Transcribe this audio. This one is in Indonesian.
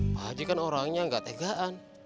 pak hadi kan orangnya gak tegaan